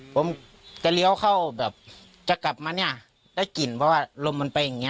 ผมจะเลี้ยวเข้าแบบจะกลับมาเนี่ยได้กลิ่นเพราะว่าลมมันไปอย่างเงี